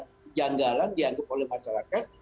kejanggalan dianggap oleh masyarakat